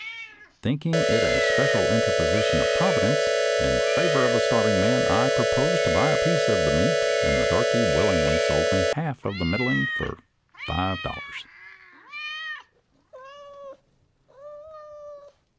Thinking it a special interposition of Providence in favor of a starving man, I pro posed to buy a piece of the meat, and the darky willingly sold me the half of the middling for five dollars."